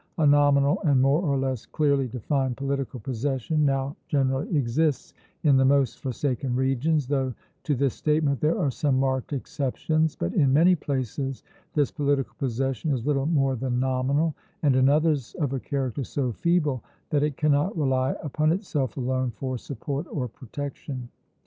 A nominal and more or less clearly defined political possession now generally exists in the most forsaken regions, though to this statement there are some marked exceptions; but in many places this political possession is little more than nominal, and in others of a character so feeble that it cannot rely upon itself alone for support or protection.